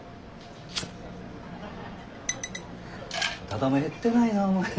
多田も減ってないなお前。